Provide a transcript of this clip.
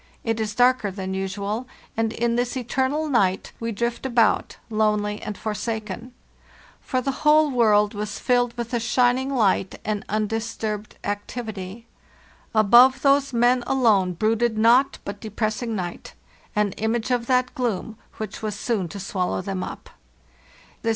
It is darker than usual, and in this eternal night we drift about, lonely and for saken, 'for the whole world was filled with a shining light and undisturbed activity. Above those men alone brooded nought but depressing night—an image of that gloom which was soon to swallow them up.